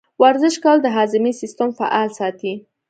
ورزش کول د هاضمې سیستم فعال ساتي.